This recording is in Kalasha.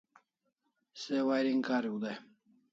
Se wiring kariu dai